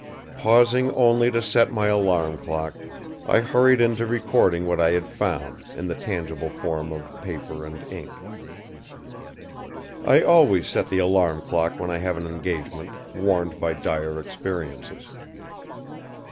Pausing only to set my alarm clock, I hurried into recording what I had found, in the tangible form of paper and ink. I always set the alarm clock when I have an engagement, warned by dire experiences.